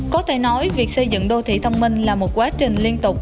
có thể nói việc xây dựng đô thị thông minh là một quá trình liên tục